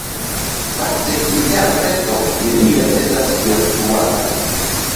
Fakte Interreto neniel estas virtuala.